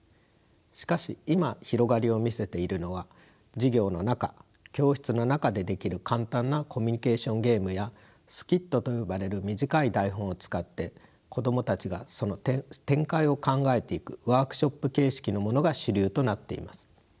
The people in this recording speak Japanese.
しかし今広がりを見せているのは授業の中教室の中でできる簡単なコミュニケーションゲームやスキットと呼ばれる短い台本を使って子供たちがその展開を考えていくワークショップ形式のものが主流となっています。